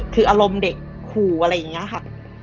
คืออารมณ์เด็กขู่อะไรอย่างนี้ค่ะ